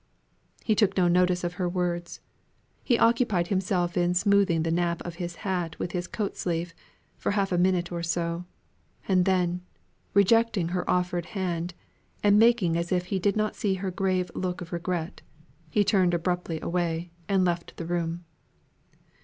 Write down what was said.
He took no notice of her words; he occupied himself in smoothing the nap of his hat with his coat sleeve, for half a minute or so; and then, rejecting her offered hand, and making as if he did not see her grave look of regret, he turned abruptly away, and left the room.